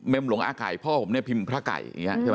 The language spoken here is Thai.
เม็มลุงอาจริงพ่อผมเนี่ยพิมพ์พระไก่ใช่ไหม